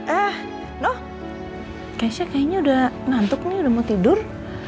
eh nuh keisha kayaknya udah nantuk nih udah mau tidur